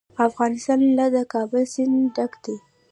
افغانستان له د کابل سیند ډک دی.